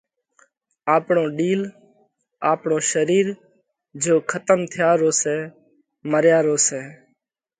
آپڻو ڏِيل آپڻو شرير جيو کتم ٿيا رو سئہ۔ مريا رو سئہ۔